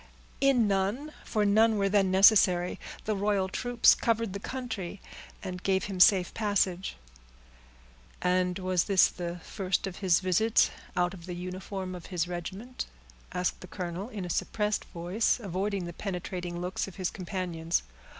"In none, for none were then necessary; the royal troops covered the country, and gave him safe passage." "And was this the first of his visits out of the uniform of his regiment?" asked the colonel, in a suppressed voice, avoiding the penetrating looks of his companions.